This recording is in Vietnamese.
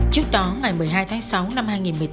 trước đó ngày một mươi hai tháng sáu năm hai nghìn một mươi tám